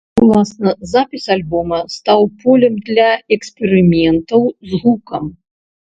Уласна запіс альбома стаў полем для эксперыментаў з гукам.